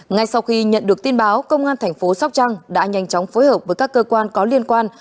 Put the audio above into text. ngay sau khi nhận được tin báo công an thành phố sóc trăng đã nhanh chóng phối hợp với các cơ quan có liên quan